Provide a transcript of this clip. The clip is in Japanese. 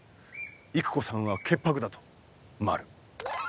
郁子さんは潔白だとまる。